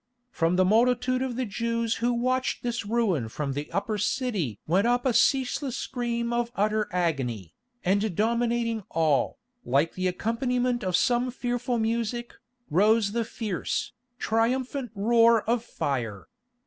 From the multitude of the Jews who watched this ruin from the Upper City went up a ceaseless scream of utter agony, and dominating all, like the accompaniment of some fearful music, rose the fierce, triumphant roar of fire.